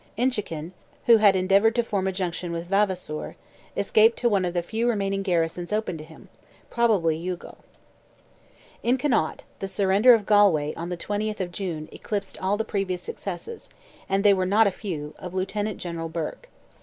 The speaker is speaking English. Inchiquin, who had endeavoured to form a junction with Vavasour, escaped to one of the few remaining garrisons open to him—probably Youghal. In Connaught, the surrender of Galway, on the 20th of June, eclipsed all the previous successes, and they were not a few, of Lieutenant General Burke.